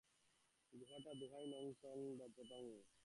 গুহাটা Doi Nang Non পর্বতমালার নিচে অবস্থিত।